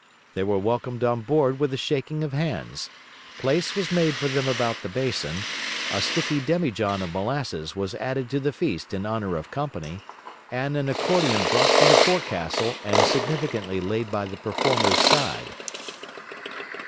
They were welcomed on board with the shaking of hands; place was made for them about the basin; a sticky demijohn of molasses was added to the feast in honour of company, and an accordion brought from the forecastle and significantly laid by the performer's side.